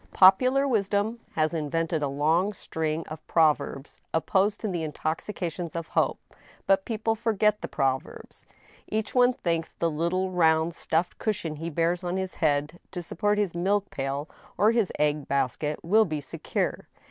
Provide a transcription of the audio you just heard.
Popular wisdom has invented a long string of proverbs opposed io the intoxications of hope ; but people forget the proverbs. Each A WAKENED. 9^ one thinks the little, round, stuffed cushion he bears on his head to support his milk pail or his^ egg basket will be secure.